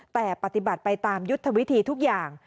แต่ปฏิบัติไปตามยุทธวิธีทุกอย่าง